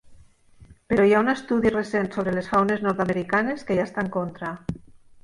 Però hi ha un estudi recent sobre les faunes nord-americanes que hi està en contra.